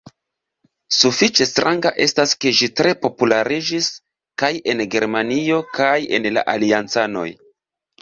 Sufiĉe stranga estas ke ĝi tre populariĝis kaj en Germanio kaj inter la aliancanoj.